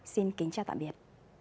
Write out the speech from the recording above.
xin kính chào tạm biệt